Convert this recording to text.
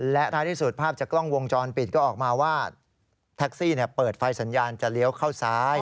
และท้ายที่สุดภาพจากกล้องวงจรปิดก็ออกมาว่าแท็กซี่เปิดไฟสัญญาณจะเลี้ยวเข้าซ้าย